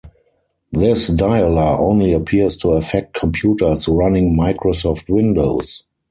This dialer only appears to affect computers running Microsoft Windows.